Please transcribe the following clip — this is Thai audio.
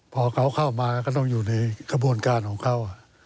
พอเขาเข้ามาก็ต้องอยู่ในกระบวนการของเขา